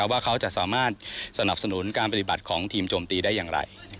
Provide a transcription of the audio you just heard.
ว่าเขาจะสามารถสนับสนุนการปฏิบัติของทีมโจมตีได้อย่างไร